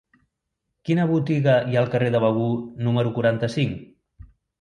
Quina botiga hi ha al carrer de Begur número quaranta-cinc?